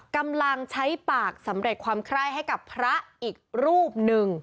กำลังใช้ปากสำเร็จความไคร้ให้กับพระอีกรูปหนึ่ง